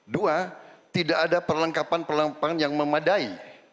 dua tidak ada perlengkapan perlengkapan yang memadai